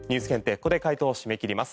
ここで解答を締め切ります。